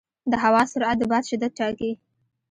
د هوا سرعت د باد شدت ټاکي.